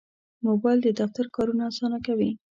موبایل د دفتر کارونه اسانه کوي.